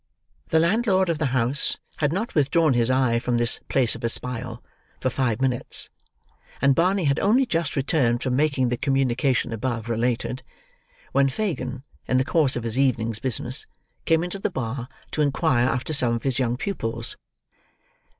The landlord of the house had not withdrawn his eye from this place of espial for five minutes, and Barney had only just returned from making the communication above related, when Fagin, in the course of his evening's business, came into the bar to inquire after some of his young pupils.